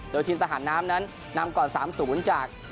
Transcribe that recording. โดยทีมทหารน้ำนั้นนำก่อน๓๐จาก